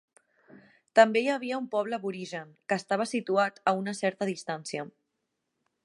També hi havia un poble aborigen, que estava situat a una certa distància.